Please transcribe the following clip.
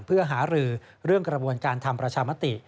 เพื่อหารือเรื่องกระบวนการทำประชามติ